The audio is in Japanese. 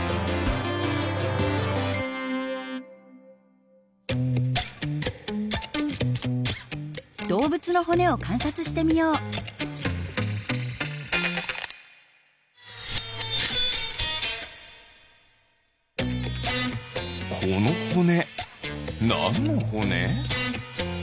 このほねなんのほね？